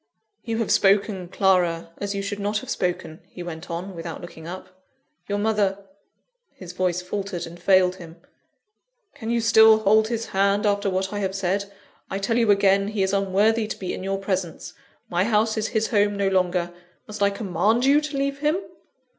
"You have spoken, Clara, as you should not have spoken," he went on, without looking up. "Your mother " his voice faltered and failed him. "Can you still hold his hand after what I have said? I tell you again, he is unworthy to be in your presence; my house is his home no longer must I command you to leave him?"